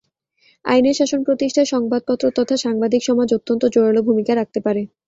আইনের শাসন প্রতিষ্ঠায় সংবাদপত্র তথা সাংবাদিক সমাজ অত্যন্ত জোরালো ভূমিকা রাখতে পারে।